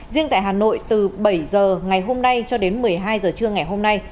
riêng tại hà nội từ bảy h ngày hôm nay cho đến một mươi hai h trưa ngày hôm nay